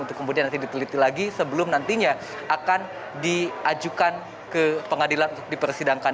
untuk kemudian nanti diteliti lagi sebelum nantinya akan diajukan ke pengadilan untuk dipersidangkan